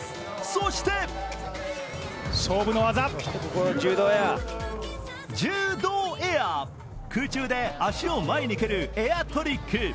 そしてジュードーエア、空中で足を前に蹴るエアトリック。